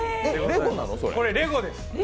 これ、レゴです。